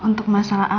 untuk membuka jam ini